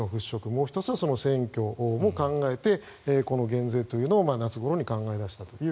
もう１つは選挙も考えてこの減税というのを夏ごろに考え出したという。